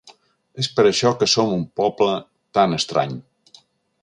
És per això que som un poble tan estrany.